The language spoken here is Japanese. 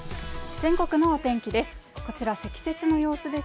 全国のお天気です。